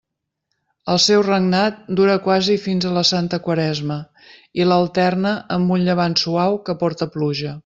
El seu regnat dura quasi fins a la santa Quaresma, i l'alterna amb un llevant suau que porta pluja.